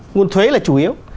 nguồn thuế là chủ yếu